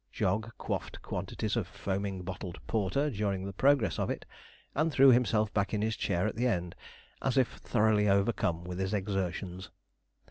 Jog quaffed quantities of foaming bottled porter during the progress of it, and threw himself back in his chair at the end, as if thoroughly overcome with his exertions.